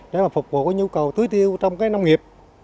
để mà phục vụ cái nhu cầu tưới tiêu trong cái nông nghiệp